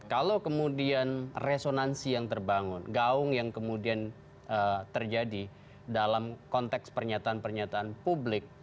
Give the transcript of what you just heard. kalau kemudian resonansi yang terbangun gaung yang kemudian terjadi dalam konteks pernyataan pernyataan publik